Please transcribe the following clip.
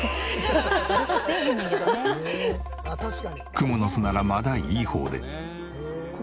クモの巣ならまだいい方で。